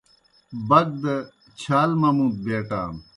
بک دہ چھال ممُوت بیٹان۔